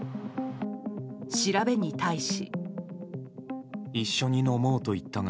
調べに対し。